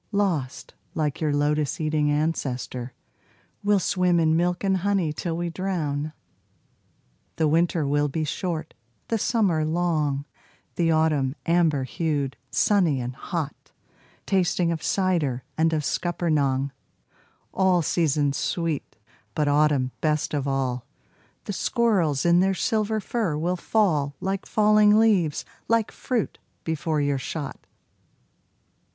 Lost, like your lotus eating ancestor, We'll swim in milk and honey till we drown. The winter will be short, the summer long, The autumn amber hued, sunny and hot, Tasting of cider and of scuppernong; All seasons sweet, but autumn best of all. The squirrels in their silver fur will fall Like falling leaves, like fruit, before your shot.